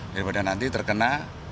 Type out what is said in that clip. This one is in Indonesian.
daripada nanti terkena